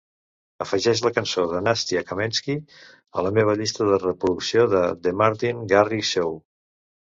Afegeix la cançó de Nastya Kamenskih a la meva llista de reproducció del The Martin Garrix Show.